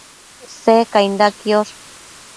Secainda quiosh